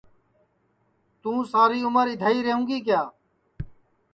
توں ساری عمر اِدھائی رئوں گی کیا